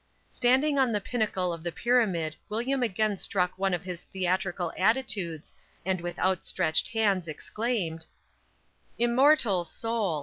Standing on the pinnacle of the Pyramid William again struck one of his theatrical attitudes, and with outstretched hands exclaimed: _Immortal Sol!